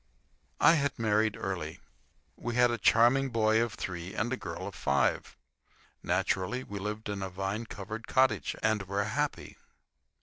I had married early. We had a charming boy of three and a girl of five. Naturally, we lived in a vine covered cottage, and were happy.